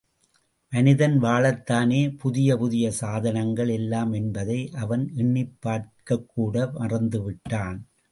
மனிதன் வாழத்தானே புதிய புதிய சாதனங்கள் எல்லாம் என்பதை, அவன் எண்ணிப் பார்க்கக்கூட மறந்து விட்டான்.